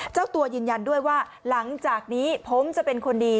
เจ้าตัวยืนยันด้วยว่าหลังจากนี้ผมจะเป็นคนดี